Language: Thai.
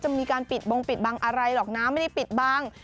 มีการปิดบงปิดบังอะไรหรอกนะไม่ได้ปิดบัง